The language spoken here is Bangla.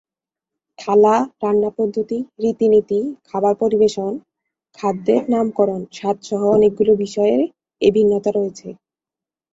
থালা, রান্না পদ্ধতি, রীতি-নীতি, খাবার পরিবেশন, খাদ্যের নামকরণ, স্বাদ-সহ অনেকগুলো বিষয়ে এ ভিন্নতা রয়েছে।